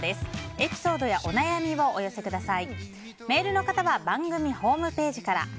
エピソードやお悩みをお寄せください。